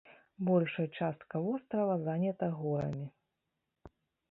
Большая частка вострава занята горамі.